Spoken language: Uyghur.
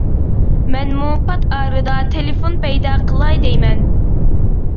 مەنمۇ پات ئارىدا تېلېفون پەيدا قىلاي دەيمەن.